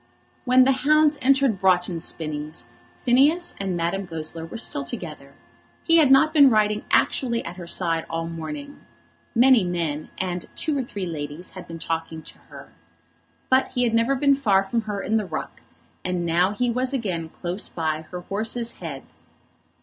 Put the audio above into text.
When the hounds entered Broughton Spinnies, Phineas and Madame Goesler were still together. He had not been riding actually at her side all the morning. Many men and two or three ladies had been talking to her. But he had never been far from her in the ruck, and now he was again close by her horse's head.